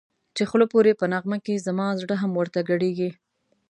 چی خوله پوری په نغمه کی زما زړه هم ورته گډېږی